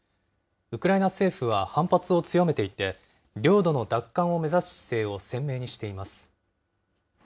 ウクライナ政府は反発を強めていて、領土の奪還を目指す姿勢を鮮明にしています。